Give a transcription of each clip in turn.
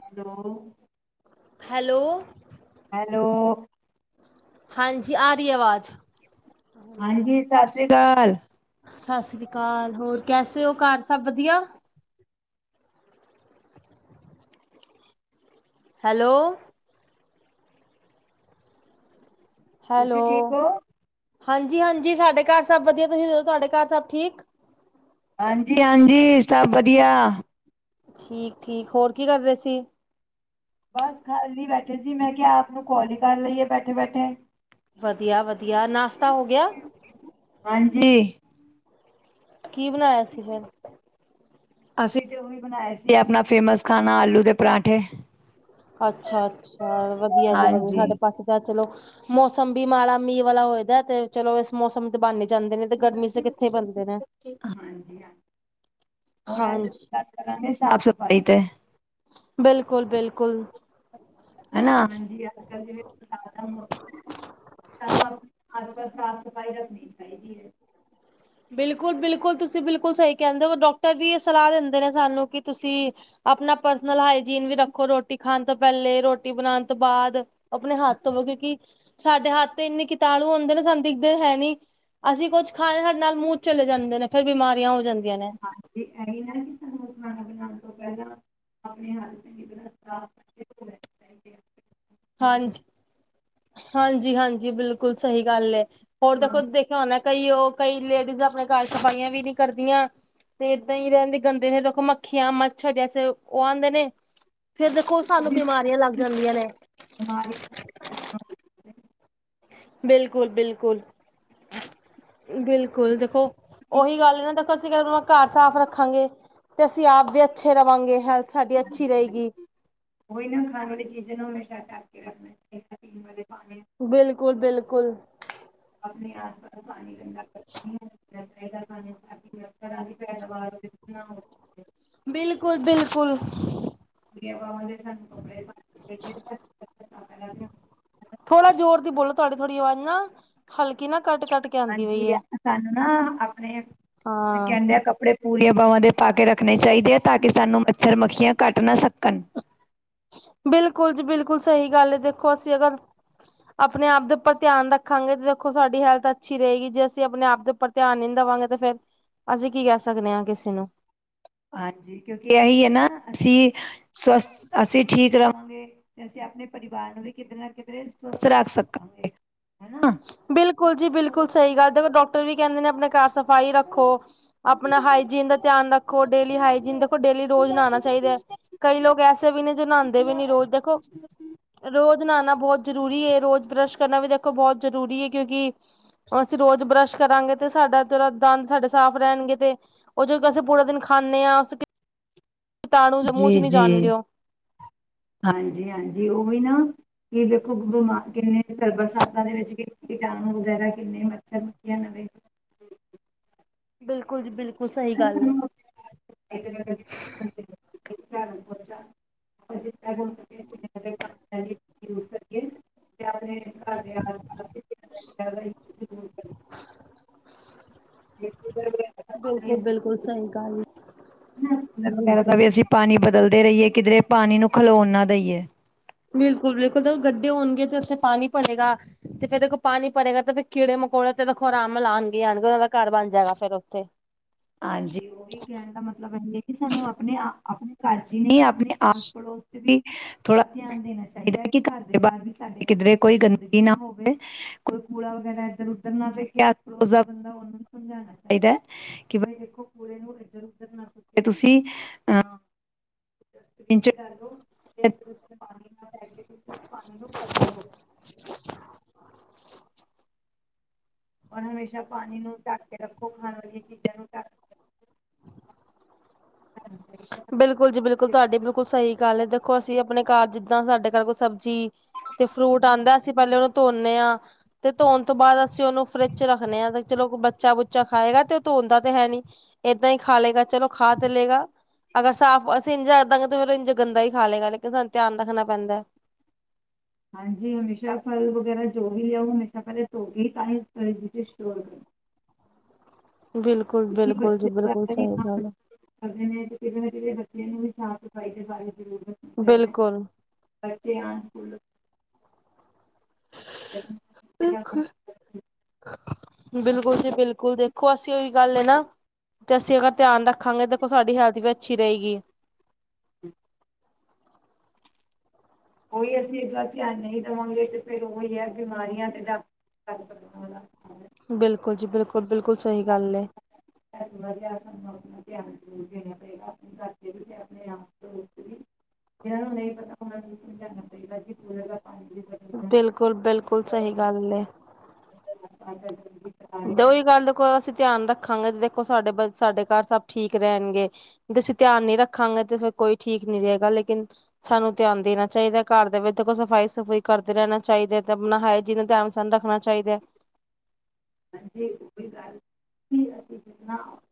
Hello [inaudible] hello hello ਹਾਂਜੀ ਆ ਰਹੀ ਆਵਾਜ਼ ਹਾਂਜੀ ਸਤਿ ਸ੍ਰੀ ਅਕਾਲ। ਸਤਿ ਸ਼੍ਰੀ ਅਕਾਲ, ਹੋਰ ਕੈਸੇ ਹੋ, ਘਰ ਸਭ ਵਧੀਆ। ਹੈਲੋ ਹੈਲੋ, ਹਾਂਜੀ-ਹਾਂਜੀ ਸਾਡੇ ਘਰ ਸਭ ਵਧੀਆ, ਤੁਸੀਂ ਦਸੋ ਤੁਹਾਡੇ ਘਰ ਸਭ ਠੀਕ। ਹਾਂਜੀ-ਹਾਂਜੀ, ਸਭ ਵਧੀਆ ਠੀਕ-ਠੀਕ, ਹੋਰ ਕੀ ਕਰ ਰਹੇ ਸੀ। ਬਸ ਖਾਲੀ ਬੈਠੇ ਸੀ। ਮੈਂ ਕਿਹਾ ਆਪ ਨੂੰ ਕਾਲ ਹੀ ਕਰ ਲਈਏ ਬੈਠੇ- ਬੈਠੇ। ਵਧੀਆ-ਵਧੀਆ ਨਾਸ਼ਤਾ ਹੋ ਗਿਆ। ਹਾਂਜੀ। ਕੀ ਬਣਾਇਆ ਸੀ ਫੇਰ। ਅਸੀਂ ਤੇ ਉਹੀ ਬਣਾਏ ਸੀਗੇ। ਆਪਣਾ ਫੇਮਸ ਖਾਣਾ ਆਲੂ ਦੇ ਪਰਾਂਠੇ। ਅੱਛਾ-ਅੱਛਾ। ਵਧੀਆ ਜੀ ਵਧੀਆ ਸਾਡੇ ਪਾਸੇ। ਤਾਂ ਚਲੋ, ਮੌਸਮ ਵੀ ਮਾੜਾ ਮੀਂਹ ਵਾਲਾ ਹੋਏ ਦਾ। ਤੇ ਚਲੋ ਇਸ ਮੌਸਮ ਤੇ ਬਣ ਹੀ ਜਾਂਦੇ ਨੇ। ਤੇ ਗਰਮੀ ਤੇ ਕਿੱਥੇ ਬਣਦੇ ਨੇਂ ਠੀਕ। ਹਾਂਜੀ-ਹਾਂਜੀ। ਹੋਰ ਅੱਜ ਹਾਂਜੀ ਬਾਤ ਕਰਾਂਗੇ ਸਾਫ਼ ਸਫ਼ਾਈ ਤੇ। ਬਿਲਕੁਲ-ਬਿਲਕੁਲ। ਹੈਨਾ, ਹਾਂਜੀ। [unintelligible] ਸਾਨੂੰ ਆਪਣੇ ਆਸ ਪਾਸ ਦੀ ਸਾਫ਼ ਸਫ਼ਾਈ ਰੱਖਣੀ ਚਾਹੀਦੀ ਐ। ਬਿਲਕੁਲ-ਬਿਲਕੁਲ ਤੁਸੀਂ ਬਿਲਕੁਲ ਸਹੀ ਕਹਿੰਦੇ ਹੋ। ਡਾਕਟਰ ਵੀ ਇਹ ਸਲਾਹ ਦਿੰਦੇ ਨੇ ਸਾਨੂੰ ਕਿ ਤੁਸੀਂ? ਆਪਣਾ ਪਰਸਨਲ ਹਾਈਜੀਨ ਵੀ ਰੱਖੋ। ਰੋਟੀ ਖਾਣ ਤੋਂ ਪਹਿਲੇ ਰੋਟੀ ਬਣਾਉਣ ਤੋਂ ਬਾਅਦ। ਆਪਣੇ ਹੱਥ ਧੋਵੇ ਕਿਉਂਕਿ। ਸਾਡੇ ਹੱਥ ਤੇ ਇੰਨੇ ਕੀਟਾਣੂ ਹੁੰਦੇ ਨੇ। ਸਾਨੂੰ ਦਿਖਦੇ ਤੇ ਹੈ ਨੀ। ਅਸੀਂ ਕੁੱਛ ਖਾਇਆ ਨਾਲ ਮੂੰਹ ਚਲੇ ਜਾਂਦੇ ਨੇ। ਫ਼ਿਰ ਬਿਮਾਰੀਆਂ ਹੋ ਜਾਂਦੀਆਂ ਨੇ। ਹਾਂਜੀ। ਇਹੀ ਨਾ ਕਿ ਸਾਨੂੰ ਖਾਣਾ ਬਣਾਉਣ ਤੋਂ ਪਹਿਲਾਂ ਆਪਣੇ ਹੱਥ ਚੰਗੀ ਤਰ੍ਹਾਂ ਸਾਫ਼ ਕਰ। ਹਾਂਜੀ। ਹਾਂਜੀ-ਹਾਂਜੀ, ਬਿਲਕੁਲ ਸਹੀ ਗੱਲ ਏ। ਹੋਰ ਦੇਖੋ ਦੇਖ ਹੁਣ ਕਈ ਉਹ ਕਈ ਲੇਡੀਜ਼ ਆਪਣੇ ਘਰ ਸਫ਼ਾਈਆਂ ਵੀ ਨਹੀਂ ਕਰਦੀਆਂ। ਤੇ ਇੱਦਾਂ ਹੀ ਰਹਿੰਦੀ ਗੰਦਗੀ ਦੇਖੋ। ਮੱਖੀਆਂ-ਮੱਛਰ ਜੇਸੈ ਉਹ ਆਉਂਦੇ ਨੇ। ਫੇਰ ਦੇਖੋ ਸਾਨੂੰ ਬਿਮਾਰੀਆਂ ਲੱਗ ਜਾਂਦੀਆਂ ਨੇ। ਬਿਮਾਰੀ। [inaudible] ਬਿਲਕੁਲ-ਬਿਲਕੁਲ। ਬਿਲਕੁਲ ਦੇਖੋ। ਉਹੀ ਗੱਲ ਏ ਨਾ ਦੇਖੋ ਅਸੀਂ। [unintelligible] ਘਰ ਸਾਫ਼ ਰੱਖਾਂਗੇ ਤੇ ਅਸੀਂ ਆਪ ਵੀ ਅੱਛੇ ਰਵਾਂਗੇ। ਹੈਲਥ ਸਾਡੀ ਅੱਛੀ ਰਹੇਗੀ। ਹੋਹੀ ਨਾ ਖਾਣ ਵਾਲੀ ਚੀਜ਼ਾਂ ਨੂੰ ਹਮੇਸ਼ਾ ਢੱਕ ਕੇ ਰੱਖਣਾ ਚਾਹੀਦਾ। ਪੀਣ ਵਾਲੇ ਪਾਣੀ ਨੂੰ। ਬਿਲਕੁਲ-ਬਿਲਕੁਲ। ਆਪਣੇ ਆਸ ਪਾਸ ਪਾਣੀ ਗੰਦਾ ਕਰਦੀ ਐਂ। ਆਪਣੇ ਘਰ ਪਾਣੀ ਕੱਜ ਕੇ ਰੱਖੋ। [unintelligible] ਬਿਲਕੁਲ-ਬਿਲਕੁਲ। ਕੁੱਲ। [inaudible] ਜਵਾਂਮ ਸਾਨ ਬਪੜ। [unintelligible] ਥੋੜਾ ਜ਼ੋਰ ਦੀ ਬੋਲੋ। ਤੁਹਾਡੀ ਥੋੜ੍ਹੀ ਆਵਾਜ਼ ਨਾ ਹਲਕੀ ਨਾ ਕੱਟ ਕੱਟ ਕੇ। ਆਉਂਦੀ ਪਈ ਹਾਂਜੀ। ਹੈ [unintelligible] ਸਾਨੂੰ ਨਾ ਆਪਣੇ ਹਾਂ ਕਹਿੰਡਿਆਂ ਕੱਪੜੇ। ਪੂੜੀਆਂ ਬਾਵਾਂ ਦੇ ਪਾ ਕੇ ਰੱਖਣੇ ਚਾਹੀਦੇ ਆ। ਤਾਂ ਕਿ ਸਾਨੂੰ ਮੱਛਰ ਮੱਖੀਆਂ ਕੱਟ ਨਾ ਸਕਣ। ਬਿਲਕੁਲ ਜੀ ਬਿਲਕੁਲ ਸਹੀ ਗੱਲ ਹੈ। ਦੇਖੋ ਅਸੀਂ ਅਗਰ। ਆਪਣੇ ਆਪ ਦੇ ਉੱਪਰ ਧਿਆਨ ਰੱਖਾਂਗੇ ਤਾਂ। ਦੇਖੋ ਸਾਡੀ ਹੈਲਥ ਅੱਛੀ ਰਹੇਗੀ ਜੇ ਅਸੀਂ ਆਪਣੇ ਆਪ ਦੇ ਉੱਪਰ ਧਿਆਨ ਈ ਨੀ ਦਵਾਂਗੇ ਤੇ ਫੇਰ, ਅਸੀਂ ਕੀ ਕਹਿ ਸਕਨੇ ਆ ਕਿਸੇ ਨੂੰ। ਹਾਂਜੀ। ਕਿਉਂਕਿ ਇਹੀ ਐ ਨਾ। ਅਸੀਂ ਸਵਸਥ, ਅਸੀਂ ਠੀਕ ਰਵਾਂਗੇ। ਅਸੀਂ ਆਪਣੇ ਪਰਿਵਾਰ ਨੂੰ ਵੀ ਕਿਤੇ ਨਾ ਕਿਧਰੇ ਸਵਸਥ ਰੱਖ ਸਕਨੇ ਆ। ਬਿਲਕੁਲ ਜੀ ਬਿਲਕੁਲ ਸਹੀ ਗੱਲ ਦੇਖੋ ਡਾਕਟਰ ਵੀ ਕਹਿੰਦੇ ਨੇ। ਆਪਣੇ ਘਰ ਸਫ਼ਾਈ ਰੱਖੋ। ਆਪਣਾ ਹਾਈਜੀਨ ਦਾ ਧਿਆਨ ਰੱਖੋ। ਡੇਲੀ ਹਾਈਜੀਨ ਦੇਖੋ ਡੇਲੀ ਰੋਜ਼ ਨਹਾਣਾ ਚਾਹੀਦਾ ਐ। ਕਈ ਲੋਗ ਐਸੇ ਵੀ ਨੇ ਜੋ ਨਹਾਉਦੇ ਵੀ ਨੀ ਰੋਜ਼ ਦੇਖੋ। ਰੋਜ਼ ਨਹਾਉਣਾ ਬਹੁਤ ਜ਼ਰੂਰੀ ਏ ਰੋਜ਼ ਬਰੱਸ਼ ਕਰਨਾ ਵੀ ਦੇਖੋ ਬਹੁਤ ਜ਼ਰੂਰੀ ਏ ਕਿਉਂਕਿ? ਅਸੀਂ ਰੋਜ਼ ਬਰੱਸ਼ ਕਰਾਂਗੇ ਤੇ ਸਾਡਾ ਜੇਹੜਾ ਦੰਦ ਸਾਡੇ ਸਾਫ਼ ਰਹਿਣਗੇ ਤੇ। ਉਹ ਜੋ ਅਸੀਂ ਪੂਰਾ ਦਿਨ ਖਾਂਨੇ ਆਂ। ਅਸੀਂ ਕੀ- ਕੀਟਾਣੂ ਜੋ ਮੂੰਹ 'ਚ ਨੀ ਜਾਣਗੇ ਉਹ [inaudible] ਹਾਂਜੀ -ਹਾਂਜੀ ਔਹੀ ਨਾ, ਕਿ ਦੇਖੋ ਬਿਮਾਰ ਕਿੰਨੇ ਬਰਸਾਤਾਂ ਦੇ ਵਿੱਚ ਕੀਟਾਣੂ ਵਗੈਰਾ ਕਿੰਨੇ ਮੱਛਰ ਮੀਆਂ ਨਵੇ ਬਿਲਕੁਲ ਜੀ ਬਿਲਕੁਲ ਸਹੀ ਗੱਲ ਹੈ। ਤੇ [unintelligible] ਹ [inaudible] ਯੂਜ਼ ਕਰੀਏ [unintelligible] ਹਾਂ ਹਾਂਜੀ [unintelligible] [inaudible] [inaudible] ਬਿਲਕੁਲ ਬਿਲਕੁਲ ਸਹੀ ਗੱਲ ਹੈ, [inaudible] ਲਗ ਵਗੈਰਾ ਬਿਲਕੁਲ। ਪਾਵੇ ਅਸੀਂ ਪਾਣੀ ਬਦਲਦੇ ਰਹੀਏ ਕਿਧਰੇ ਪਾਣੀ ਨੂੰ ਖਲੋਣ ਨਾ ਦੇਈਏ। ਬਿਲਕੁਲ ਬਿਲਕੁਲ ਤਾਂ ਗੱਡੇ ਹੋਣਗੇ ਤੇ ਉੱਥੇ ਪਾਣੀ ਭਰੇਗਾ। ਤੇ ਫੇਰ ਦੇਖੋ ਪਾਣੀ ਭਰੇਗਾ, ਤੇ ਫਿਰ ਕੀੜੇ ਮਕੌੜੇ ਤੇ ਵੇਖੋ ਆਰਾਮ ਨਾਲ ਆਣਗੇ ਈ ਆਣਗੇ ਔਹਨਾਂ ਦਾ ਘਰ ਬਣ ਜਾਏਗਾ ਫ਼ਿਰ ਉਥੇ। ਹਾਂਜੀ ਔਹੀ ਕਹਿਣ ਦਾ ਮਤਲਬ ਇਹ ਹੈ ਕਿ ਸਾਨੂੰ ਆਪਣੇ ਆਪਣੇ ਘਰ ਚ ਹੀ ਨਹੀਂ ਆਸ ਪੜੋਸ ਵੀ [unintelligible] ਥੋੜਾ ਧਿਆਨ ਦੇਣਾ ਚਾਹੀਦਾ ਹੈ। ਕਿ ਘਰ ਦੇ ਬਾਹਰ ਵੀ ਸਾਡੇ ਕਿਧਰੇ ਕੋਈ ਗੰਦਗੀ ਨਾ ਹੋਵੇ ਕੋਈ ਕੂੜਾ ਵਗੈਰਾ ਇੱਧਰ ਉਧਰ ਨਾ ਫੇਕੇ, [unintelligible] ਬੰਦਾ ਉਹਨਾਂ ਨੂੰ ਸਮਝਾਉਣਾ ਚਾਹੀਦਾ ਕਿ ਬਾਈ ਦੇਖੋ [unintelligible] ਤੁਸੀਂ ਅ [unintelligible] [inaudible] ਔਰ ਹਮੇਸ਼ਾ ਪਾਣੀ ਨੂੰ ਟੱਕ ਕੇ ਰੱਖੋ, ਖਾਣ ਵਾਲੀਆਂ ਚੀਜ਼ਾਂ ਨੂੰ ਟੱਕ ਕੇ ਰੱਖੋ। [inaudible] ਬਿਲਕੁਲ ਜੀ ਬਿਲਕੁਲ ਤੁਹਾਡੀ ਬਿਲਕੁਲ ਸਹੀ ਗੱਲ ਹੈ, ਦੇਖੋ ਅਸੀਂ ਆਪਣੇ ਘਰ ਜਿੱਦਾਂ ਸਾਡੇ ਘਰ ਕੋਈ ਸਬਜ਼ੀ ਤੇ ਫਰੂਟ ਆਦਾ ਅਸੀਂ ਪਹਿਲੇ ਉਹਨੂੰ ਧੋਨੇ ਹਾਂ। ਤੇ ਧੋਣ ਤੋਂ ਬਾਅਦ ਅਸੀਂ ਉਹਨੂੰ ਫਰਿੱਜ ਚ ਰੱਖਣੇੇ ਆ, ਤੇ ਚਲੋ ਬੱਚਾ ਬੁੱਚਾ ਖਾਏਗਾ, ਤੇ ਉਹ ਧੋਣ ਦਾ ਤੇ ਹੈ ਨੀ। ਏਦਾਂ ਹੀ ਖਾ ਲਏਗਾ, ਚਲੋ ਖਾ ਦੇ ਲਏਗਾ। ਅਗਰ ਸਾਫ਼, ਅਸੀ ਇਂਝ ਇਦਾਂ ਰਖਦਾਗੇ, ਤੇ ਫਿਰ ਇੰਝ ਗੰਦਾ ਹੀ ਖਾ ਲਏਗਾ। ਲੇਕਿਨ ਸਾਨੂੰ ਧਿਆਨ ਰੱਖਣਾ ਪੈਂਦਾ ਹਾਂਜੀ ਹਮੇਸ਼ਾ ਫਲ ਵਗੈਰਾ ਜੋ ਵੀ ਆ ਉਹ ਹਮੇਸ਼ਾ ਪੈਲੇ ਧੌਕੇ ਹੀ [unintelligible] ਬਿਲਕੁਲ ਬਿਲਕੁਲ ਜੀ ਬਿਲਕੁਲ, ਸਹੀ ਗੱਲ ਹੈ। ਕਰਦੇ ਨੇ ਤੇ ਕਿਸੇ ਨਾ ਕਿ ਸੇ ਦੇ ਬੱਚਿਆਂ ਨੂੰ ਵੀ ਸਾਫ਼ ਸਫ਼ਾਈ ਦੇ ਬਾਰੇ ਜ਼ਰੂਰਤ ਬਿਲਕੁਲ। ਬੱਚੇ ਆਮ [unintelligible] ਹ [inaudible] ਬਿਲਕੁਲ ਜੀ ਬਿਲਕੁਲ, ਦੇਖੋ ਅਸੀਂ ਔਹੀ ਗੱਲ ਹੈ ਨਾ ਤੇ ਅਸੀਂ ਅਗਰ ਧਿਆਨ ਰੱਖਾਂਗੇ। ਦੇਖੋ ਸਾਡੀ ਹੈਲਥ ਵੀ ਅੱਛੀ ਰਹੇਗੀ। ਔਹੀ ਅਸੀਂ ਇਦਾਂ ਧਿਆਨ ਨਹੀਂ ਦੇਵਾਂਗੇ, ਤੇ ਫੇਰ ਔਹੀ ਹੈ ਬਿਮਾਰੀਆਂ ਤੇ ਡਾਕ ਟਕ ਬਿਲਕੁਲ ਜੀ ਬਿਲਕੁਲ, ਬਿਲਕੁਲ ਸਹੀ ਗੱਲ ਏ। ਐਸ ਦਿਨਾ ਚ ਧਿਆਨ ਜ਼ਰੂਰ ਦੇਣਾ ਪਏਗਾ। ਆਪਣੇ ਘਰ ਵੀ ਆਪਣੇ ਆਪ ਦੋਸਤ ਵੀ ਇਹਨਾਂ ਨੂੰ ਨਹੀਂ ਪਤਾ ਹੌਨਾਂ ਨੂੰ ਸਮਝਣਾ ਪਏਗਾ [inaudible] ਕੁਲ ਬਿਲਕੁਲ ਸਹੀ ਗੱਲ ਏ [inaudible] ਦੋਹੀ ਗੱਲ ਕੋ ਅਸੀਂ ਧਿਆਨ ਰੱਖਾਂਗੇ, ਦੇਖੋ ਸਾਡੇ ਬ ਸਾਡੇ ਘਰ ਸਭ ਠੀਕ ਰਹਿਣਗੇ। ਤੇ ਅਸੀਂ ਧਿਆਨ ਨਹੀਂ ਰੱਖਾਂਗੇ, ਤੇ ਫਿਰ ਕੋਈ ਠੀਕ ਨੀ ਰਹੇਗਾ, ਲੇਕਿਨ ਸਾਨੂੰ ਧਿਆਨ ਦੇਣਾ ਚਾਹੀਦਾ, ਘਰ ਦੇ ਵਿੱਚ ਦੇਖੋ ਸਫ਼ਾਈ ਸਫੂਈ ਕਰਦੇ ਰਹਿਣਾ ਚਾਹੀਦਾ ਐ, ਤੇ ਆਪਣਾ ਹਾਏ ਜੀਵਨ ਦਾ ਧਿਆਨ ਸਾਨੂੰ ਰੱਖਣਾ ਚਾਹੀਦਾ ਏ। ਹਾਂਜੀ ਕੋਈ ਗੱਲ ਸੁਣਾ [unintelligible]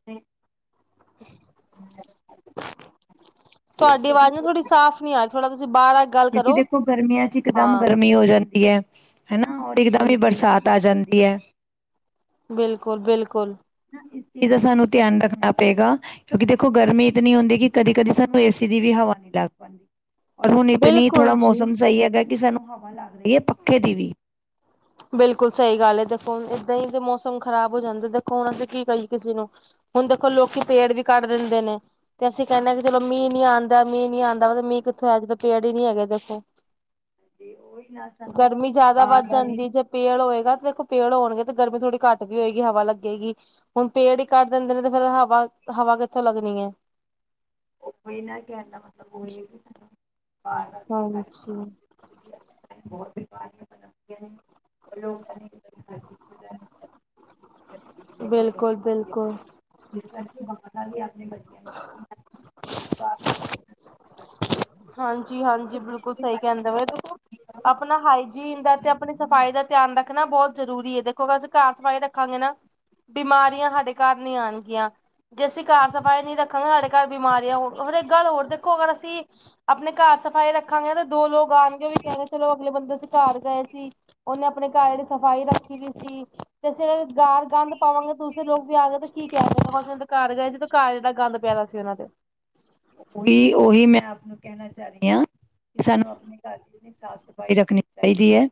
ਤੁਆਡੀ ਆਵਾਜ਼ ਨਾ ਥੋੜ੍ਹੀ ਸਾਫ਼ ਨੀ ਆਰੀ, ਥੋੜ੍ਹਾ ਤੁਸੀਂ ਬਾਹਰ ਆ ਗੱਲ ਕਿਉਂਕਿ ਕਰੋ ਦੇਖੋ ਗਰਮੀਆਂ ਚ ਇਕਦਮ ਹਾਂ ਗਰਮੀ ਹੋ ਜਾਂਦੀ ਹੈ। ਹਨਾ, ਹੋਰ ਇਕਦਮ ਜੀ ਈ ਜੀ ਬਰਸਾਤ। ਤਾ ਆ ਜਾਂਦੀ ਹੈ। ਬਿਲਕੁਲ- ਬਿਲਕੁਲ। ਇਸ ਚੀਜ਼ ਦਾ ਸਾਨੂੰ ਧਿਆਨ ਰੱਖਣਾ ਪਏਗਾ ਕਿਉਂਕਿ ਦੇਖੋ ਗਰਮੀ ਇਤਨੀ ਹੁੰਦੀ ਕਿ ਕਦੀ -ਕਦੀ ਸਾਨੂੰ ਏਸੀ ਦੀ ਵੀ ਹਵਾ ਨਹੀਂ ਲੱਗ ਪਾਉਂਦੀ ਔਰ ਹੁਣ ਇਤਨੀ ਬਿਲਕੁਲ ਥੋੜ੍ਹਾ ਜੀ ਮੌਸਮ ਸਹੀ ਹੈਗਾ ਕਿ ਸਾਨੂੰ ਹਵਾ ਲੱਗ ਰਹੀ ਹੈ ਪੱਖੇ ਦੀ ਵੀ ਬਿਲਕੁਲ ਸਹੀ ਗੱਲ ਹੈ, ਦੇਖੋ ਹੁਣ ਏਦਾਂ ਹੀ ਦੇ ਮੌਸਮ ਖ਼ਰਾਬ ਹੋ ਜਾਂਦਾ ਦੇਖੋ ਹੁਣ ਕੀ ਕਹੀ ਕਿਸੇ ਨੂੰ ਹੁਣ ਦੇਖੋ ਲੋਕੀ ਪੇੜ ਵੀ ਕੱਟ ਦਿੰਦੇ ਨੇ ਤੇ ਅਸੀਂ ਕਹਿੰਦੇ ਹ ਕਿ ਚਲੋ ਮੀਹ ਨੀ ਆਂਉਦਾ, ਮੀਂਹ ਨੀ ਆਉਂਦਾ, ਮੀਂਹ ਕਿੱਥੋ ਆਜੇ ਪੇੜ ਹੀ ਨਹੀਂ ਹੈਗੇ ਦੇਖੋ ਹਾਂਜੀ, ਉਹੀ ਨਾਲ ਸਾਨੂੰ ਗਰਮੀ ਜ਼ਿਆਦਾ ਵੱਧ ਬਾਹਰ ਦਾ ਜਾਂਦੀ ਜੇ ਪੇੜ ਹੋਏਗਾ ਤੇ ਦੇਖੋ ਪੇੜ ਹੋਣਗੇ ਤੇ ਗਰਮੀ ਥੋੜੀ ਘੱਟ ਵੀ ਹੋਏਗੀ, ਹਵਾ ਲੱਗੇਗੀ ਹੁਣ ਪੇੜ ਹੀ ਕੱਟ ਦਿੰਦੇ ਨੇ, ਤੇ ਫਿਰ ਹਵਾ, ਹਵਾ ਕਿੱਥੋਂ ਲੱਗਣੀ ਹੈ ਉਹੀ ਨਾ, ਕਹਿਣ ਦਾ ਮਤਲਬ ਉਹੀ ਵੀ ਸਾਨੂੰ ਬਾਹਰ ਦਾ ਵੀ ਕਰ ਹਾਂਜੀ ਹੋਰ ਬਿਮਾਰੀਆਂ ਬਣਾਉਂਦੀਆਂ ਨੇ, ਲੋਕਾਂ ਬਿਲਕੁਲ, ਬਿਲਕੁਲ ਫਿਲ ਕਰਕੇ ਬ ਵੀ ਆਪਣੇ ਬੱਚਿਆਂ ਨੂੰ [inaudible] ਹਾਂਜੀ, ਹਾਂਜੀ ਬਿਲਕੁਲ ਸਹੀ ਕਹਿੰਦਾ ਵਾ ਆਪਣਾ ਹਾਈਜੀਨ ਦਾ ਤੇ ਆਪਣੀ ਸਫ਼ਾਈ ਦਾ ਧਿਆਨ ਰੱਖਣਾ ਬਹੁਤ ਜਰੂਰੀ ਹੈ, ਦੇਖੋ ਅਸੀਂ ਘਰ ਸਫ਼ਾਈ ਰੱਖ ਰੱਖਾਂਗੇ ਨਾ, ਬਿਮਾਰੀਆਂ ਸਾਡੇ ਘਰ ਨੀ ਆਉਣਗੀਆਂ ਜੇ ਅਸੀਂ ਘਰ ਸਫ਼ਾਈ ਨਹੀਂ ਰੱਖਾਂਗੇ, ਸਾਡੇ ਘਰ ਬਿਮਾਰੀਆ ਹੋਰ, ਇੱਕ ਗੱਲ ਹੋਰ ਦੇਖੋ ਅਗਰ ਅਸੀਂ ਆਪਣੇ ਘਰ ਸਫ਼ਾਈ ਰੱਖਾਂਗੇ, ਤੇ ਦੋ ਲੋਕ ਆਉਣਗੇ, ਉਹ ਵੀ ਕਹਿੰਦੇ ਚਲੋ ਅਗਲੇ ਬੰਦੇ 'ਚ ਘਰ ਗਏ ਸੀ ਉਹਨੇ ਆਪਣੇ ਘਰ ਸਫ਼ਾਈ ਰੱਖੀ ਦੀ ਸੀ ਤੇ ਅਸੀਂ ਘਰ ਗੰਦ ਪਾਵਾਂਗੇ, ਦੂਸਰੇ ਲੋਕ ਵੀ ਆ ਗਏ ਤੇ ਕੀ ਕਹਿਣ ਗਏ, ਘਰ ਗਏ ਸੀ ਘਰ ਇੰਨਾ ਗੰਦ ਪਿਆਦਾ ਸੀ, ਉਹਨਾਂ ਦੇ ਉਹੀ, ਉਹੀ ਮੈਂ ਆਪ ਨੂੰ ਕਹਿਣਾ ਚਾਹ ਰਹੀ ਹਾਂ, ਕਿ ਸਾਨੂੰ ਆਪਣੇ ਘਰ ਦੀ ਇਤਨੀ ਸਾਫ਼ ਸਫ਼ਾਈ ਰੱਖਣੀ ਚਾਹੀਦੀ ਹੈ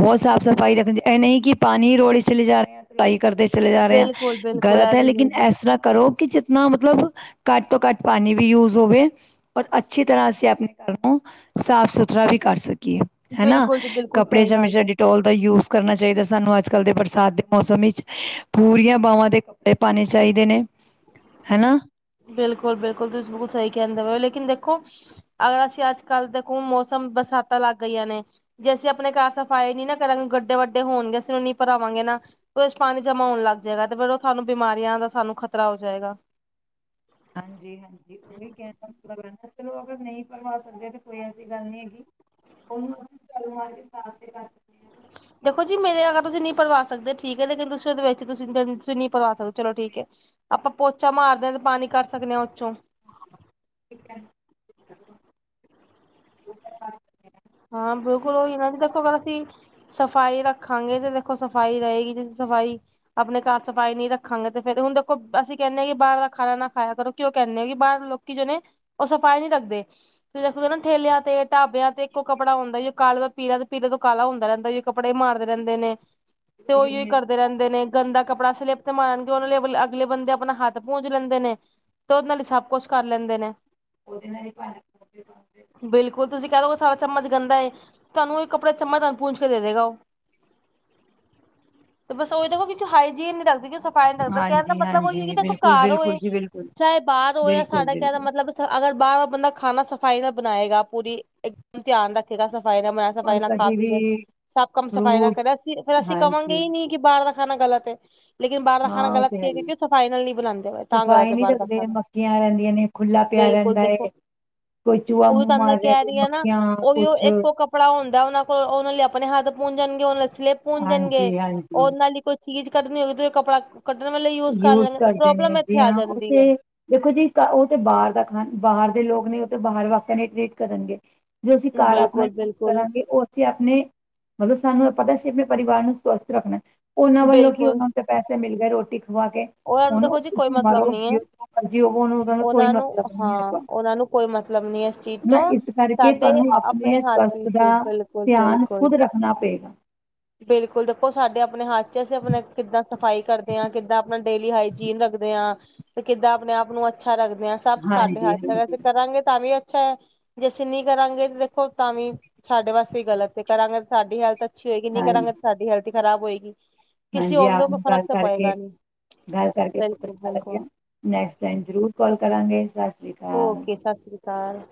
ਬਹੁਤ ਸਾਫ਼ ਸਫ਼ਾਈ ਰੱਖਣੀ, ਨਹੀਂ ਕਿ ਪਾਣੀ ਰੋੜੇ ਚਲੇ ਜਾ ਰਹੇ ਪੜ੍ਹਾਈ ਕਰਦੇ ਚਲੇ ਜਾ ਰਹੇ ਆ, ਬਿਲਕੁਲ-ਬਿਲਕੁਲ ਗ਼ਲਤ ਇਹ ਹੈ, ਵੀ ਨਹੀਂ ਲੇਕਿਨ ਜੀ। ਇਸ ਤਰ੍ਹਾਂ ਕਰੋ ਕਿ ਨਾ ਮਤਲਬ, ਘੱਟ ਤੋਂ ਘੱਟ ਪਾਣੀ ਵੀ ਯੂਜ ਹੋਵੇ ਔਰ ਅੱਛੀ ਤਰ੍ਹਾਂ ਅਸੀਂ ਆਪਣੇ ਘਰ ਨੂੰ, ਸਾਫ- ਸੁਥਰਾ ਵੀ ਕਰ ਸਕੀਏ ਹਨਾ, ਬਿਲਕੁਲ ਜੀ ਬਿਲਕੁਲ ਕੱਪੜੇ ਸਹੀ ਗੱਲ ਹਮੇਸ਼ਾ, ਹੈ। ਡਿਟੋਲ ਦਾ ਯੂਜ ਕਰਨਾ ਚਾਈਦੈ ਸਾਨੂੰ ਅੱਜ ਕੱਲ ਦੇ ਬਰਸਾਤ ਦੇ ਮੌਸਮ ਇੱਚ, ਪੂਰੀਆਂ ਬਾਵਾਂ ਦੇ ਕੱਪੜੇ ਪਾਨੇ ਚਾਈਦੇ ਨੇ। ਹੈ ਨਾ ਬਿਲਕੁਲ, ਬਿਲਕੁਲ ਤੁਸੀਂ ਬਿਲਕੁਲ ਸਹੀ ਕਹਿੰਦੇ ਹੋ, ਲੇਕਿਨ ਦੇਖੋ ਅਗਰ ਅਸੀਂ ਅੱਜ ਕੱਲ੍ਹ ਦੇਖੋ ਮੌਸਮ, ਬਰਸਾਤਾਂ ਲੱਗ ਗਈਆਂ ਨੇ ਜੇ ਅਸੀਂ ਆਪਣੇ ਘਰ ਸਫ਼ਾਈ ਨੀ ਨਾ ਕਰਾਂਗੇ, ਗੱਡੇ ਵੱਡੇ ਹੋਣਗੇ, ਅਸੀਂ ਉਹ ਨਹੀਂ ਭਰਾਵਾਂਗੇ ਨਾ ਬਸ ਪਾਣੀ ਜਮਾ ਹੋਣ ਲੱਗ ਜਾਏਗਾ, ਤੇ ਫਿਰ ਉਹ ਸਾਨੂੰ ਬਿਮਾਰੀਆਂ ਦਾ ਸਾਨੂੰ ਖ਼ਤਰਾ ਹੋ ਜਾਏਗਾ। ਹਾਂਜੀ -ਹਾਂਜੀ, ਉਹੀ ਕਹਿਣ ਦਾ ਮਤਲਬ ਰਹਿੰਦਾ, ਚਲੋ ਅਗਰ ਨਹੀਂ। ਕਰਵਾ ਸਕਦੇ ਤੇ ਕੋਈ ਐਸੀ ਗੱਲ ਨੀ ਹੈਗੀ, ਉਹਨੂੰ ਝਾੜੂ ਮਾਰ ਕੇ ਸਾਫ ਤੇ ਕਰ ਦੇਖੋ ਜੀ ਮੇਰੇ ਵਾਲਾ ਤੁਸੀਂ ਨਹੀਂ ਭਰਵਾ ਸਕਦੇ ਠੀਕ ਹੈ, ਲੇਕਿਨ ਤੁਸੀਂ ਉਹਦੇ ਵਿੱਚ ਤੁਸੀਂਸੀਂ ਨਹੀਂ ਭਰਵਾ ਸਕਦੇ। ਚਲੋ ਠੀਕ ਹੈ, ਆਪਾਂ ਪੋਚਾ ਮਾਰਦੇ ਹਾਂ ਤੇ ਪਾਣੀ ਕਢ ਸਕਦੇ ਹਾਂ ਉਹ ਚੋਂ। ਠੀਕ ਹੈ। ਹਾਂ ਬਿਲਕੁਲ, ਉਹਹੀ ਇਹਨਾਂ ਦੀ ਦੇਖੋ ਪਰ ਅਸੀਂ ਸਫ਼ਾਈ ਰੱਖਾਂਗੇ ਤੇ ਦੇਖੋ ਸਫ਼ਾਈ ਰਹੇਗੀ, ਜੇ ਸਫ਼ਾਈ ਅਪਣੇ ਘਰ ਸਫ਼ਾਈ ਨੀ ਰੱਖਾਂਗੇ ਤੇ ਫੇਰ ਹੁਨ ਦੇਖੋ, ਅਸੀਂ ਕੈਨੇ ਆ ਕਿ ਬਾਰ ਦਾ ਖਾਨਾ ਨਾ ਖਾਯਾ ਕਰੋ ਕਯੋਂ ਕੈਨੇ ਆ ਕਿ ਬਾਰ ਲੋਕ ਕਿ ਜੋ ਨੇ, ਉਹ ਸਫਾਈ ਨੀ ਰੱਖਦੇ ਫਿਰ ਦੇਖੋਗੇ ਨਾ, ਠੇਲਿਆਂ ਤੇ, ਢਾਬਿਆਂ ਤੇ ਇੱਕ ਕੱਪੜਾ ਹੁੰਦਾ ਜੋ ਕਾਲੇ ਤੋੰ ਪੀਲਾ, ਪੀਲੇ ਤੋਂ ਕਾਲਾ ਹੁੰਦਾ ਰਹਿੰਦਾ, ਜੋ ਕੱਪੜੇ ਮਾਰਦੇ ਰਹਿੰਦੇ ਨੇ ਤੇ ਉਹਹੀ ਹੀ ਕਰਦਾ ਕਰਦੇ ਰਹਿੰਦੇ ਨੇ, ਗੰਦਾ ਕੱਪੜਾ ਸਿਲੈਪ ਤੇ ਮਾਰਣਗੇ ਉਹਨਾਂ ਲਈ ਅ ਅਗਲੇ ਬੰਦੇ ਆਪਣਾ ਹੱਥ ਪੂੰਜ ਲੈਂਦੇ ਨੇ ਤੇ ਉਹਦੇ ਨਾਲ ਹੀ ਸਭ ਕੁਛ ਕਰ ਲੈਂਦੇ ਨੇ ਉਹਦੇ ਨਾਲ ਹੀ ਭਾਂਡ ਬਿਲਕੁਲ ਤੁਸੀਂ ਕਹਿ ਦੋ। ਤੁਹਾਡਾ ਚਮਚ ਗੰਦਾ ਏ, ਤੁਹਾਨੂੰ ਇਹ ਕੱਪੜਾ ਚਮਚ ਨਾਲ ਪੂੰਜ ਕੇ ਦੇਏਗਾ ਉਹ। ਤੇ ਬਸ ਉਹ ਦੇਖੋ ਕਿ ਹਾਈਜੀਨ ਨੀ ਰੱਖਦੀ ਕਿ ਸਫ਼ਾ ਨਹੀਂ ਲੱਗਦਾ ਕਹਿਣ ਦਾ ਮਤਲਬ ਉਹੀ ਕਿ ਦੇਖੋ ਘਰ ਹੋਏ ਚਾਹੇ ਬਾਹਰ ਹੋ ਜਾਂ ਸਾਡਾ ਕਹਿਿੰਦਾ ਮਤਲਬ। ਤਾਂ ਅਗਰ ਬਾਹਰ ਵਾਰ ਬੰਦਾ ਖਾਣਾ ਸਫ਼ਾਈ ਨਾ ਬਣਾਏਗਾ ਪੂਰੀ। ਇੱਕਦਮ ਧਿਆਨ ਰੱਖੇਗਾ ਸਫ਼ਾਈ ਮ। ਸਫਾਈ ਨਾਲ ਖਾ ਪੀ ਦੇ ਸਭ ਕੰਮ ਸਫ਼ਾਈ ਨਾ ਕਰੇ ਅਸੀਂ ਫੇਰ ਅਸੀਂ ਕਹਾਂਗੇ ਹੀ ਨਹੀਂ। ਕਿ ਬਾਹਰ ਦਾ ਖਾਣਾ ਗ਼ਲਤ ਹੈ। ਲੇਕਿਨ ਬਾਹਰ ਦਾ ਖਾਣਾ ਗਲਤ ਕੀ ਕਿਉਂਕਿ ਉਹ ਸਫਾਈ ਨਲ ਨਹੀਂ ਬਣਾਉਂਦੇ ਤਾਂ ਗਲਤ ਹੈ ਬਾਹਰ ਦਾ ਖਾਣਾ। ਖੁੱਲ੍ਹਲਾ ਪਿਆ ਬਿਲਕੁਲ ਰਹਿੰਦਾ ਏ ਦੇਖੋ ਕੋਈ ਚੂਹਾ ਉਹ ਮੁੂੰਹ ਤੁਹਾਨੂੰ ਮੈਂ ਮਾਰਦਾ ਕਹਿ ਕੋਈ ਰਹੀ ਆ ਨਾ ਮੱਖੀਆਂ। ਵੀ ਉਹ ਇੱਕੋ ਕੱਪੜਾ ਹੁੰਦਾ ਉਹਨਾਂ ਕੋਲ ਉਹਨਾਂ ਲਈ ਆਪਣੇ ਹੱਥ ਪੂੰਜਣਗੇ ਉਹ ਸਲੇਿਪ। ਪੂੰਝਣਗੇ ਉਹਦੇ ਨਾਲ ਹੀ ਕੋਈ ਚੀਜ਼ ਕੱਢਣੀ ਹੋਵੇਗੀਂ ਕੱਪੜਾ। ਕੱਢਣ ਵੇਲੇ ਯੂਜ ਕਰ ਲੈਂਗੇ ਪ੍ਰੋਬਲਮ ਇੱਥੇ ਆ ਜਾਂਦੀ ਹੈ। ਦੇਖੋ ਜੀ ਉਹ ਤੇ ਬਾਹਰ ਦਾ ਖਾਣ ਬਾਹਰ ਦੇ ਲੋਕ ਨੇ ਉਹ ਤੇ ਬਾਹਰ ਵਾਕਣ ਹੀਂ ਟ੍ਰੀਟ ਕਰਨਗੇ। ਜੋ ਅਸੀਂ ਘਰ ਆਪਣਾ ਬਿਲਕੁਲ ਯੂਜ ਬਿਲਕੁਲ ਕਰਾਂਗੇ ਉਹ। ਆਪਣੇ ਮਤਲਬ ਸਾਨੂੰ ਪਤਾ ਸੀ ਆਪਣੇ ਪਰਿਵਾਰ ਨੂੰ ਸਵਸਥ ਰੱਖਣਾ ਉਹਨਾਂ ਵੱਲੋਂ ਕੀ ਬਿਲਕੁਲ ਉਹਨਾਂ ਨੂੰ। ਪੈਸੇ ਮਿਲ ਗਏ ਰੋਟੀ ਖਵਾ ਕੇ। ਉਹਨਾਂ ਨੂੰ ਉਹਨੂੰ ਦੇਖੋ ਜੀ ਕੋਈ ਤੁਸੀਂ ਮਤਲਬ ਮਰੋ ਨੀ ਐ। ਜੀਓ ਮਰਜ਼ ਹੋੋ ਉਹਨੂੰ ਕੋਈ ਉਹਨਾਂ ਨੂੰ ਮਤਲਬ ਨ ਹਾਂ ਹੈ। ਉਹਨਾਂ ਨੂੰ ਕੋਈ ਮਤਲਬ ਨੀ ਇਸ ਚੀਜ਼ ਤੋਂ ਹਨ ਇਸ ਕਰਕੇ ਸਾਡੇ ਤੁਹਾਨੂੰ ਆਪਣੇ ਹੱਥ ਸਵਸਥ ਵਿੱਚ ਦਾ ਬਿਲਕੁਲ ਧਿਆਨ ਬਿਲਕੁਲ ਖੁਦ ਰੱਖ। ਰੱਖਣਾ ਪਏਗਾ। ਬਿਲਕੁਲ ਦੇਖੋ ਸਾਡੇ ਆਪਣੇ ਹੱਥ ਚ ਅਸੀਂ ਆਪਣਾ ਕਿੱਦਾਂ ਸਫ਼ਾਈ ਕਰਦੇ ਹਾਂ ਕਿੱਦਾਂ ਆਪਣਾ ਡੇਲੀ ਹਾਈਜੀਨ ਰੱਖਦੇ ਹਾਂ। ਤੇ ਕਿੱਦਾਂ ਆਪਣੇ ਆਪ ਨੂੰ ਅੱਛਾ ਰੱਖਦੇ ਹਾਂ ਸਭ ਸਾਡੇ ਹੱਥ ਤੱਕ ਅਸੀਂ ਕਰਾਂਗੇ ਤਾਂ ਵੀ ਅੱਛਾ ਹੈ। ਜੇ ਅਸੀਂ ਨਹੀਂ ਕਰਾਂਗੇ ਦੇਖੋ ਤਾਂ ਵੀ ਸਾਡੇ ਵਾਸਤੇ ਹੀ ਗ਼ਲਤ ਹੈ ਕਰਾਂਗੇ ਤੇ ਸਾਡੀ ਹੈਲਥ ਅੱਛੀ ਹੋਏਗੀ। ਨਹੀਂ ਕਰਾਂਗੇ ਤੇ ਸਾਡੀ ਹੈਲਥ ਹੀ ਖਰਾਬ ਹੋਏਗੀ। ਕਿਸੇ ਹਾਂਜੀ ਹੋਰ ਆਪ ਕੋਈ ਨੂੰ ਫ਼ਰਕ ਗੱਲ ਤਾਂ ਕਰਕੇ ਪਏਗਾ ਨਹੀਂ ਗੱਲ ਕਰਕੇ ਬਹੁਤ ਬਿਲਕੁਲ ਅੱਛਾ ਲੱਗਿਆ। ਬਿਲਕੁਲ ਨੈਕਸਟ ਟਾਈਮ ਜ਼ਰੂਰ ਕਾਲ ਕਰਾਂਗੇ ਸਤਿ। ਸ੍ਰ ਅਕਾਲ। ਓਕੇ ਸਤਿ ਸ਼੍ਰੀ ਅਕਾਲ।